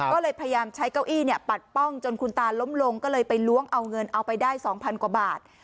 ก็เลยพยายามใช้เก้าอี้ปัดป้องจนคุณตาล้มลงก็เลยไปล้วงเอาเงินเอาไปได้๒๐๐กว่าบาท